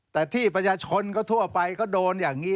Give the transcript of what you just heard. แต่ที่ประชาชนก็ทั่วไปเขาโดนอย่างนี้